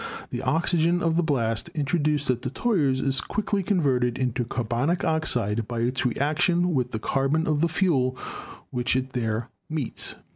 The oxygen of the blast introduced at the tuyeres is quickly converted into carbonic oxide by its reaction with the carbon of the fuel which it there meets.